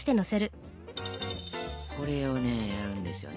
これをねやるんですよね